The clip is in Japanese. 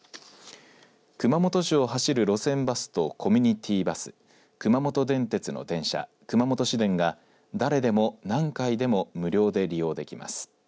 熊本市を走る路線バスとコミュニティーバス熊本電鉄の電車、熊本市電が誰でも何回でも無料で利用できます。